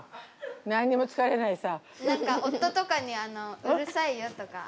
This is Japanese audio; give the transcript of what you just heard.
何にも疲れないさ。